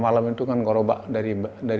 di matraman jakarta timur